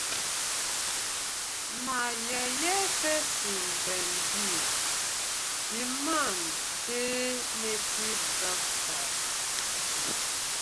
Na yeye pesin dem bi, di man dey native dokta.